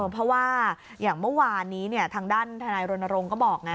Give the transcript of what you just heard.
เพราะว่าอย่างเมื่อวานนี้ทางด้านทนายรณรงค์ก็บอกไง